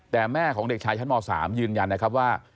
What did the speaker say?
แต่แม่ของเด็กชายชั้นม๓ยืนยันนะครับว่า